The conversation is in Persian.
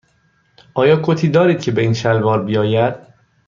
آیا کتی دارید که به این شلوار بیاید؟